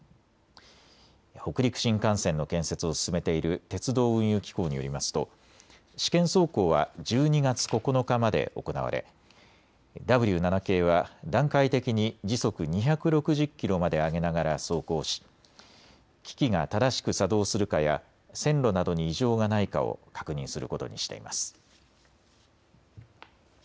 北陸新幹線の建設を進めている鉄道・運輸機構によりますと試験走行は１２月９日まで行われＷ７系は段階的に時速２６０キロまで上げながら走行し機器が正しく作動するかや線路などに異常がないかを確認することにしています。